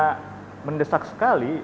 karena mendesak sekali